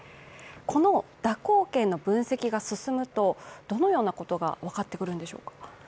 この蛇行剣の分析が進むとどのようなことが分かってくるのでしょうか？